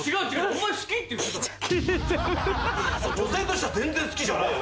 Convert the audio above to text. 女性としては全然好きじゃないよ！